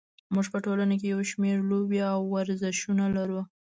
موږ په ټولنه کې یو شمېر لوبې او ورزشونه لرو.